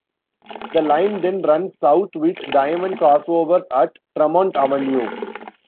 The line then runs south with diamond crossovers at Tremont Avenue.